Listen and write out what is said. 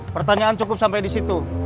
pertanyaan cukup sampai disitu